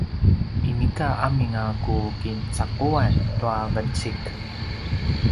inika amin a ku kicaquan tua vencik